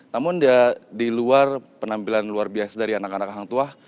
namun dia di luar penampilan luar biasa dari anak anak hangtua